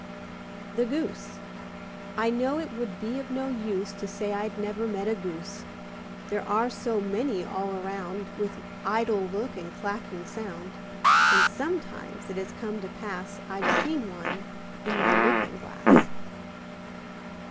THE GOOSE I know it would be of no use To say I'd never met a Goose. There are so many all around, With idle look and clacking sound. And sometimes it has come to pass I've seen one in my looking glass.